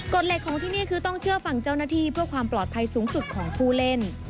เหล็กของที่นี่คือต้องเชื่อฟังเจ้าหน้าที่เพื่อความปลอดภัยสูงสุดของผู้เล่น